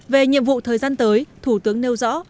về nhiệm vụ thời gian tới thủ tướng nêu rõ